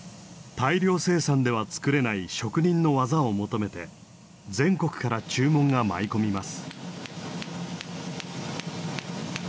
大量生産では作れない職人の技を求めて全国から注文が舞い込みます。